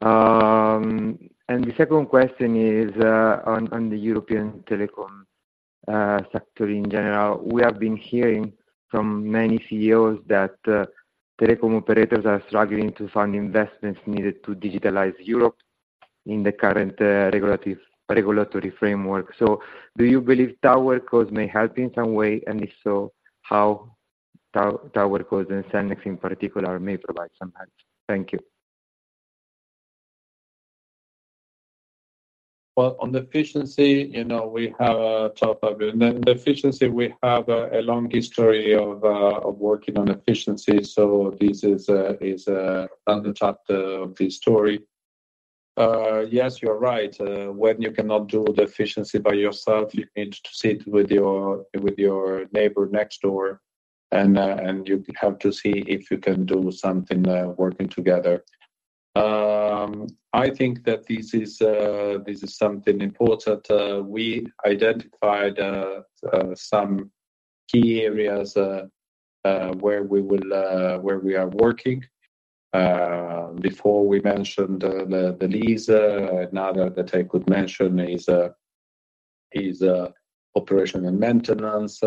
And the second question is, on the European telecom sector in general. We have been hearing from many CEOs that telecom operators are struggling to find investments needed to digitalize Europe in the current regulatory framework. So do you believe tower cos may help in some way? And if so, how tower cos and Cellnex, in particular, may provide some help? Thank you. Well, on the efficiency, you know, we have talked about. And then the efficiency, we have a long history of working on efficiency, so this is another chapter of the story. Yes, you're right. When you cannot do the efficiency by yourself, you need to sit with your neighbor next door, and you have to see if you can do something working together. I think that this is something important. We identified some key areas where we are working. Before we mentioned the lease. Another that I could mention is operation and maintenance.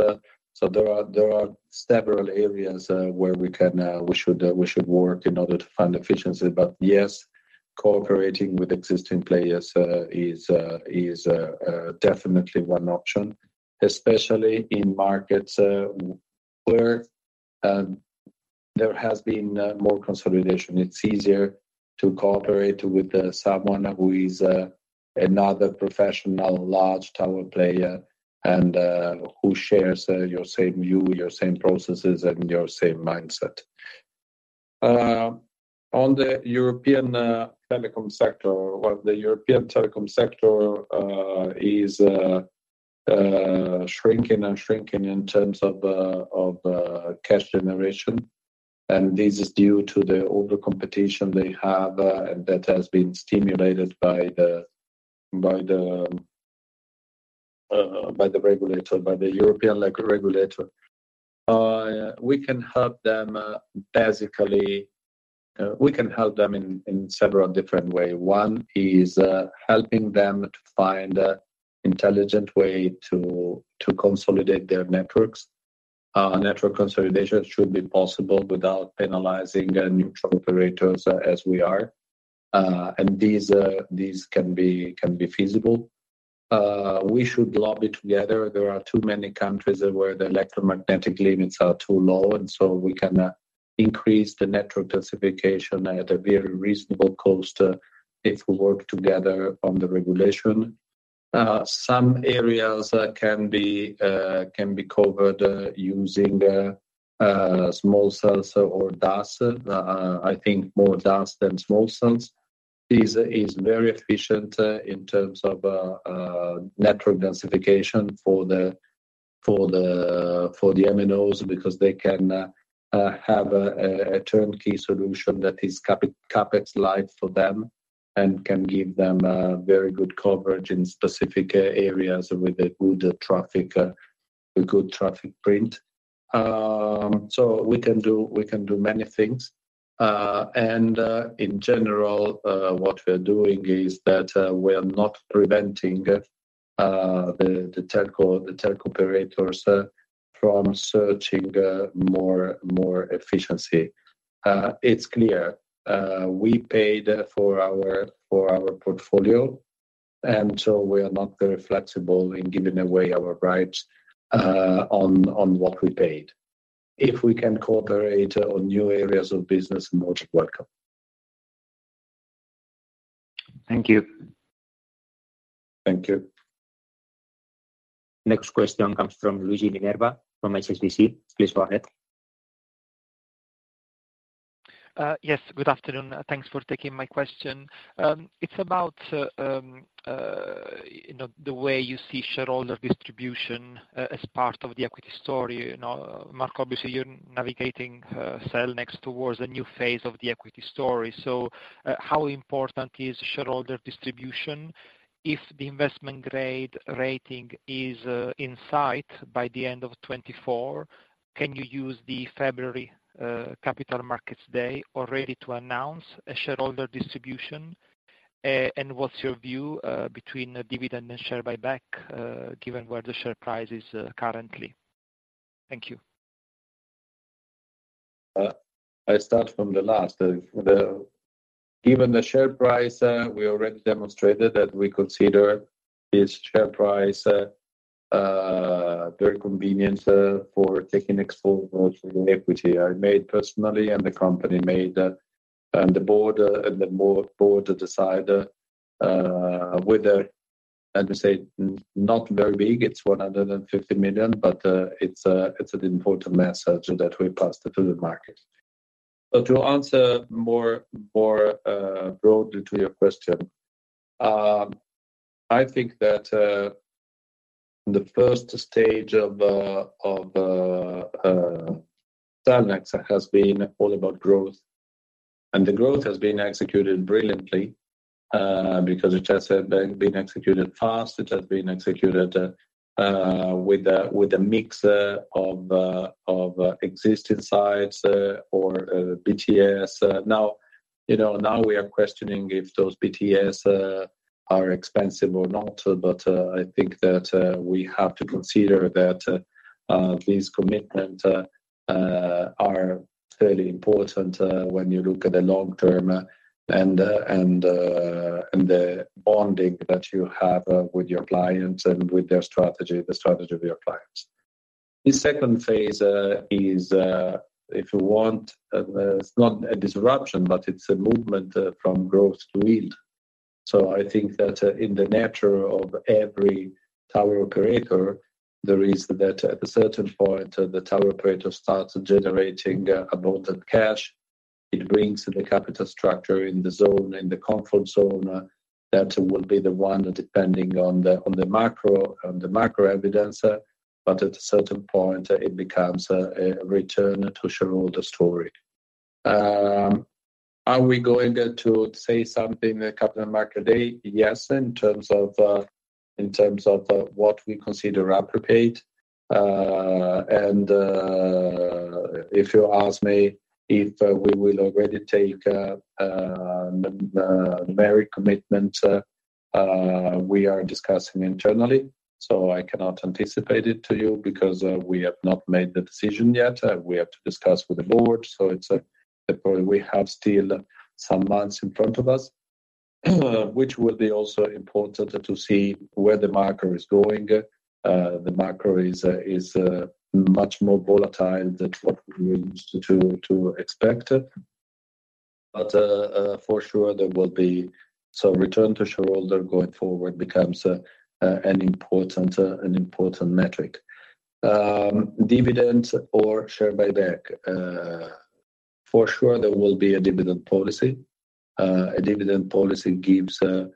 So there are several areas where we should work in order to find efficiency. But yes, cooperating with existing players is definitely one option, especially in markets where there has been more consolidation. It's easier to cooperate with someone who is another professional large tower player and who shares your same view, your same processes, and your same mindset. On the European telecom sector, well, the European telecom sector is shrinking and shrinking in terms of cash generation, and this is due to the overcompetition they have and that has been stimulated by the regulator, by the European regulator. We can help them basically, we can help them in several different way. One is helping them to find a intelligent way to consolidate their networks. Network consolidation should be possible without penalizing the neutral operators as we are. These can be feasible. We should lobby together. There are too many countries where the electromagnetic limits are too low, and so we can increase the network densification at a very reasonable cost, if we work together on the regulation. Some areas can be covered using small cells or DAS. I think more DAS than small cells. This is very efficient in terms of network densification for the MNOs, because they can have a turnkey solution that is CapEx light for them and can give them very good coverage in specific areas with a good traffic print. So we can do, we can do many things. In general, what we're doing is that we are not preventing the telco operators from searching more, more efficiency. It's clear, we paid for our, for our portfolio, and so we are not very flexible in giving away our rights on, on what we paid. If we can cooperate on new areas of business, more welcome. Thank you. Thank you. Next question comes from Luigi Minerva from HSBC. Please go ahead. Yes, good afternoon. Thanks for taking my question. It's about, you know, the way you see shareholder distribution as part of the equity story. You know, Marco, obviously, you're navigating Cellnex towards a new phase of the equity story. So, how important is shareholder distribution if the investment grade rating is in sight by the end of 2024? Can you use the February Capital Markets Day already to announce a shareholder distribution? And what's your view between dividend and share buyback, given where the share price is currently? Thank you. I start from the last. Given the share price, we already demonstrated that we consider this share price very convenient for taking exposure to the equity. I made personally, and the company made, and the board decide whether, and to say not very big, it's 150 million, but it's an important message that we passed to the market. But to answer more broadly to your question, I think that the first stage of Cellnex has been all about growth, and the growth has been executed brilliantly because it has been executed fast. It has been executed with a mix of existing sites or BTS. Now, you know, now we are questioning if those BTS are expensive or not, but I think that we have to consider that these commitments are fairly important when you look at the long term, and the bonding that you have with your clients and with their strategy, the strategy of your clients. The second phase is, if you want, it's not a disruption, but it's a movement from growth to yield. So I think that in the nature of every tower operator, there is that at a certain point the tower operator starts generating a lot of cash. It brings the capital structure in the zone, in the comfort zone, that will be the one depending on the macro evidence. But at a certain point, it becomes a return to shareholder story. Are we going to say something at Capital Markets Day? Yes, in terms of, in terms of, what we consider appropriate. If you ask me if we will already take very commitment, we are discussing internally, so I cannot anticipate it to you because we have not made the decision yet. We have to discuss with the board. So it's a point. We have still some months in front of us, which will be also important to see where the market is going. The macro is, is, much more volatile than what we used to, to expect it. But for sure, there will be some return to shareholder going forward becomes an important, an important metric. Dividend or share buyback? For sure, there will be a dividend policy. A dividend policy gives a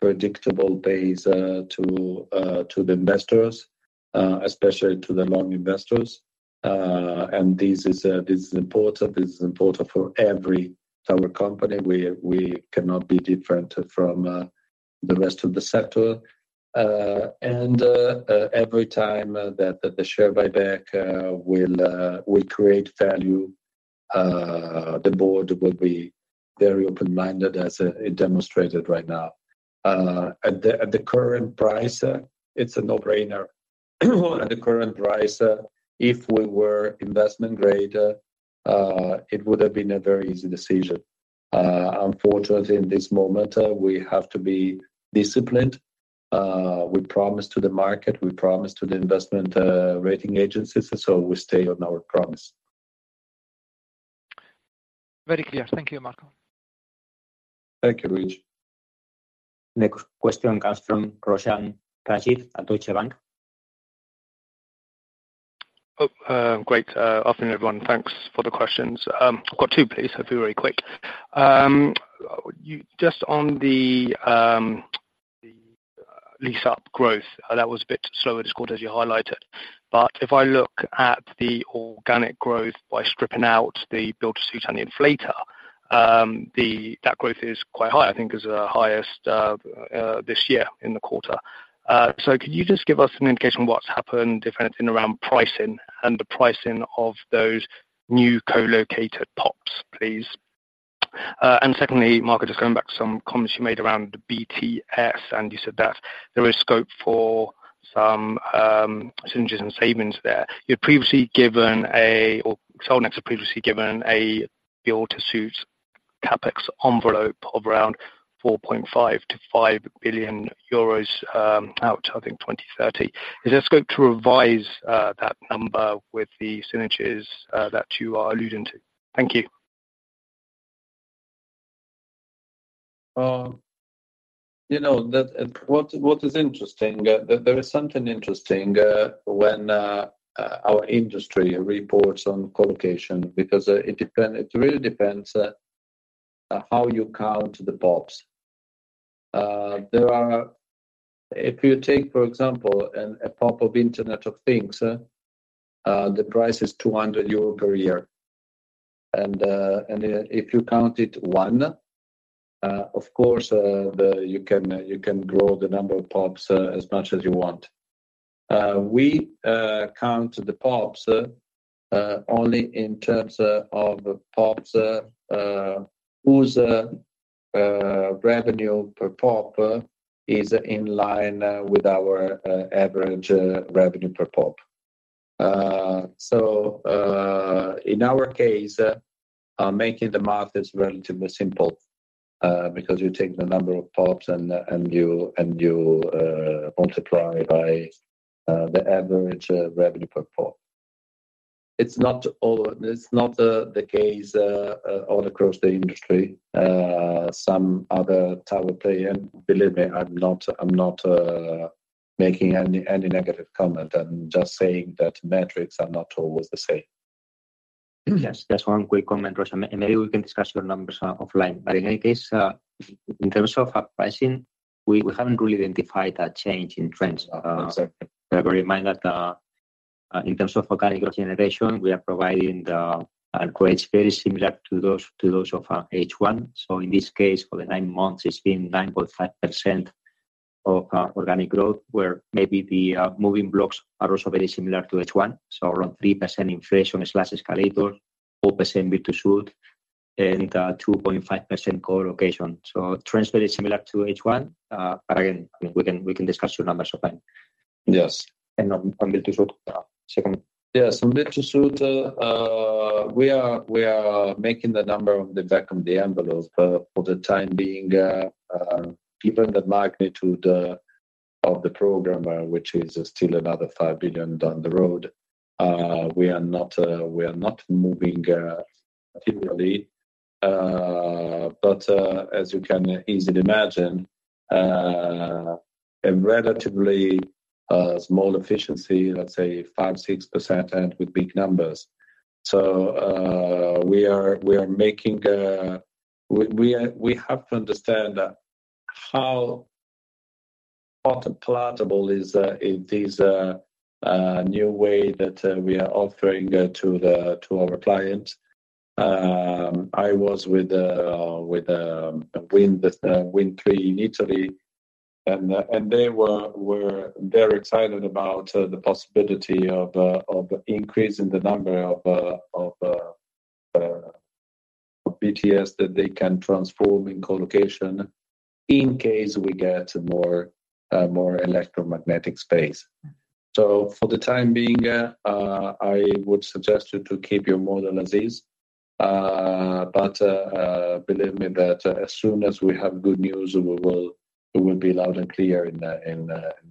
predictable base to the investors, especially to the long investors. And this is, this is important. This is important for every tower company. We, we cannot be different from the rest of the sector. And every time that the share buyback will, will create value, the board will be very open-minded, as it demonstrated right now. At the current price, it's a no-brainer. At the current price, if we were Investment grade, it would have been a very easy decision. Unfortunately, in this moment, we have to be disciplined. We promise to the market, we promise to the investment rating agencies, so we stay on our promise. Very clear. Thank you, Marco. Thank you, Luigi. Next question comes from Roshan Ranjit at Deutsche Bank. Oh, great afternoon, everyone. Thanks for the questions. I've got two, please. I'll be very quick. Just on the lease up growth, that was a bit slower this quarter, as you highlighted. But if I look at the organic growth by stripping out the build-to-suit and inflation, that growth is quite high, I think is the highest this year in the quarter. So could you just give us an indication what's happened differently around pricing and the pricing of those new co-located PoPs, please? And secondly, Marco, just going back to some comments you made around the BTS, and you said that there is scope for some synergies and savings there. You'd previously given a, or Cellnex had previously given a build-to-suit CapEx envelope of around 4.5 billion-5 billion euros, out to, I think, 2030. Is there scope to revise that number with the synergies that you are alluding to? Thank you. You know, there is something interesting when our industry reports on colocation, because it really depends how you count the PoPs. If you take, for example, a PoP of Internet of Things, the price is 200 euro per year, and if you count it one, of course, you can grow the number of PoPs as much as you want. We count the PoPs only in terms of PoPs whose revenue per PoP is in line with our average revenue per PoP. So, in our case, making the math is relatively simple, because you take the number of PoPs and multiply by the average revenue per PoP. It's not the case all across the industry. Some other tower player, believe me, I'm not making any negative comment. I'm just saying that metrics are not always the same. Yes, just one quick comment, Roshan, and maybe we can discuss your numbers, offline. But in any case, in terms of pricing, we, we haven't really identified a change in trends. Exactly. Bear in mind that in terms of organic generation, we are providing the upgrades very similar to those of H1. So in this case, for the nine months, it's been 9.5% of organic growth, where maybe the moving blocks are also very similar to H1. So around 3% inflation/escalator, 4% build-to-suit, and 2.5% colocation. So transfer is similar to H1. But again, I mean, we can discuss your numbers offline. Yes. On build-to-suit. Second. Yes, on build-to-suit, we are making the number of the back of the envelope. But for the time being, given the magnitude of the program, which is still another 5 billion down the road, we are not moving particularly. But as you can easily imagine, a relatively small efficiency, let's say 5%-6%, and with big numbers. So, we are making... We have to understand how palatable is this new way that we are offering to our clients. I was with Wind Tre in Italy, and they were very excited about the possibility of increasing the number of BTS that they can transform in colocation in case we get more electromagnetic space. So for the time being, I would suggest you to keep your model as is. But believe me that as soon as we have good news, we will be loud and clear in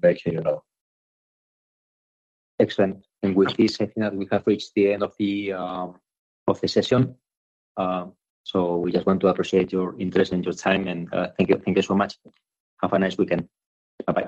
making it known. Excellent. And with this, I think that we have reached the end of the session. So we just want to appreciate your interest and your time, and thank you. Thank you so much. Have a nice weekend. Bye-bye.